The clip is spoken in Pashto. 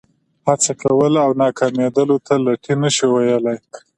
هڅه کول او ناکامېدلو ته لټي نه شو ویلای.